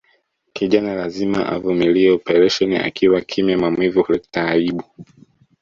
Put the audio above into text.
Kijana lazima avumilie operesheni akiwa kimya maumivu huleta aibu